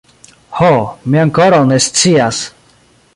Ho, mi ankoraŭ ne scias.